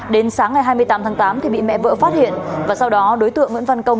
đến sáng ngày hai mươi tám tháng tám thì bị mẹ vỡ phát hiện và sau đó đối tượng nguyễn văn công